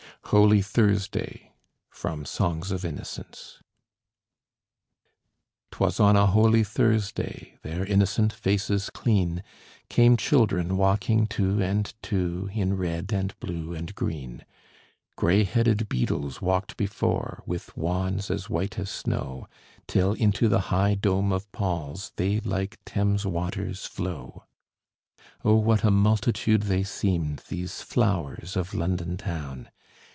HOLY THURSDAY From 'Songs of Innocence' 'Twas on a Holy Thursday, their innocent faces clean, Came children walking two and two, in red and blue and green: Gray headed beadles walked before, with wands as white as snow, Till into the high dome of Paul's they like Thames waters flow. Oh, what a multitude they seemed, these flowers of London town!